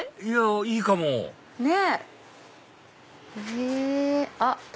いやいいかもねっ。